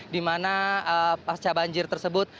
di mana pasca banjir tersebut